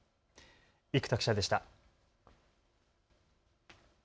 生田記者でした。